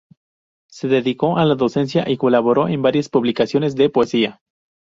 Se dedicó a la docencia y colaboró en varias publicaciones de poesía.